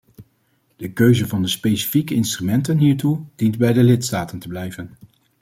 De keuze van de specifieke instrumenten hiertoe dient bij de lidstaten te blijven.